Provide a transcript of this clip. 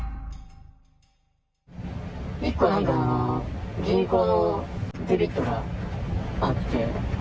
１個、なんか銀行のデビットがあって。